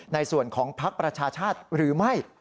ในส่วนของภักดิ์ประชาชาติหรือไม่